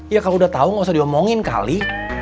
ya kalau udah tau gak usah diomongin kali